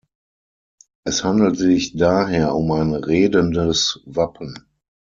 Es handelt sich daher um ein redendes Wappen.